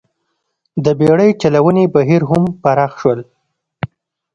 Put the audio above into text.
د بېړۍ چلونې بهیر هم پراخ شول